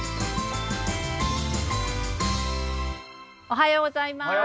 おはようございます。